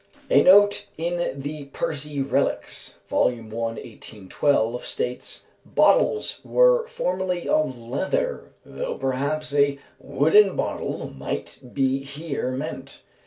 A note in the "Percy Reliques," vol. i., 1812, states: "Bottles were formerly of leather, though perhaps a wooden bottle might be here meant.